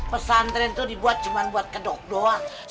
pesan tereng tuh dibuat cuma buat kedok doang